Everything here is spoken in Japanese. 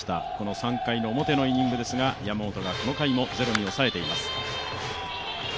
３回の表のイニングですが、山本がこの回もゼロに抑えています。